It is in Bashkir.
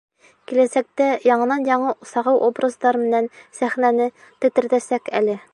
Киләсәктә яңынан-яңы сағыу образдар менән сәхнәне тетрәтәсәк әле.